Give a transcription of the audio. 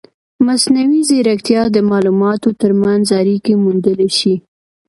مصنوعي ځیرکتیا د معلوماتو ترمنځ اړیکې موندلی شي.